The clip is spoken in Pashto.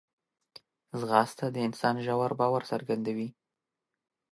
ځغاسته د انسان ژور باور څرګندوي